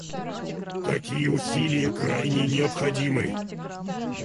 Такие усилия крайне необходимы.